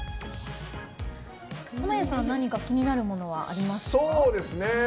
何か気になるものはありますか？